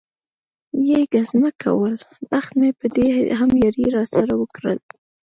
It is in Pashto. یې ګزمه کول، بخت مې په دې هم یاري را سره وکړل.